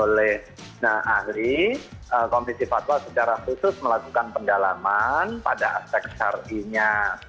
nah ahli komisi fatwa secara khusus melakukan pendalaman pada aspek syarinya